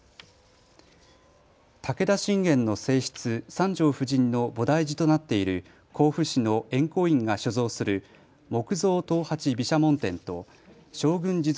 武田信玄の正室、三条夫人の菩提寺となっている甲府市の円光院が所蔵する木造刀八毘沙門天と勝軍地蔵